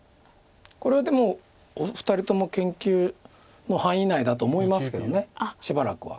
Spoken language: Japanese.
これはでもお二人とも研究の範囲内だと思いますけどしばらくは。